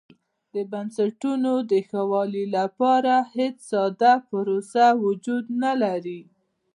د بنسټونو د ښه والي لپاره هېڅ ساده پروسه وجود نه لري.